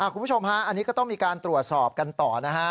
คุณผู้ชมฮะอันนี้ก็ต้องมีการตรวจสอบกันต่อนะฮะ